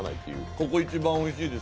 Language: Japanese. ここ、一番おいしいです。